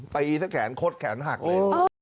ตีซะแขนคดแขนหักเลย